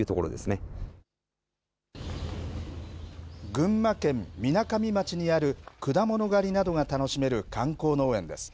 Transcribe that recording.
群馬県みなかみ町にある果物狩りなどが楽しめる観光農園です。